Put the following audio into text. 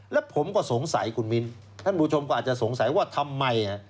แล้วผมก็สงสัยคุณมิ้นท่านผู้ชมก็อาจจะสงสัยว่าทำไม